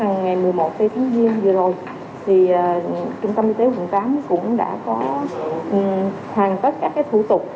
ngày một mươi một tháng một mươi một vừa rồi thì trung tâm y tế quận tám cũng đã có hoàn tất các thủ tục